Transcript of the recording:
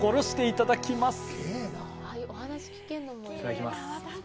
いただきます。